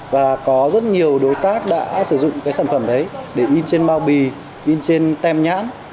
và có rất nhiều đối tác đã sử dụng cái sản phẩm đấy để in trên bao bì in trên tem nhãn